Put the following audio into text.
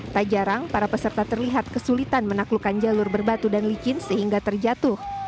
tak jarang para peserta terlihat kesulitan menaklukkan jalur berbatu dan licin sehingga terjatuh